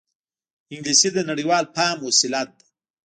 انګلیسي د نړيوال فهم وسیله ده